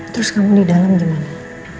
terus kamu di dalam gimana